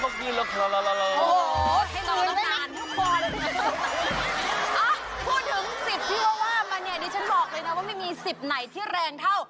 หูคิวก็ว่าบ้านี่นี่ฉันบอกเลยนะว่าไม่มี๑๐ไหนที่แรงเท่า